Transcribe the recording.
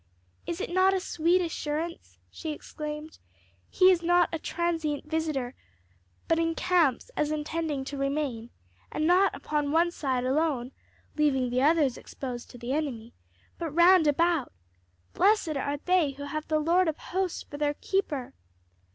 Is it not a sweet assurance?" she exclaimed: "he is not a transient visitor, but encamps as intending to remain; and not upon one side alone, leaving the others exposed to the enemy, but round about. Blessed are they who have the Lord of hosts for their Keeper!"